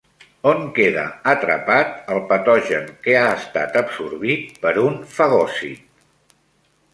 On queda atrapat el patogen que ha estat absorbit per un fagòcit?